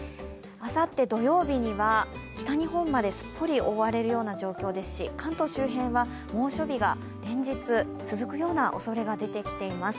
あさって土曜日には北日本まですっぽり覆われるような状況ですし関東周辺は、猛暑日が連日、続くような恐れが出てきています。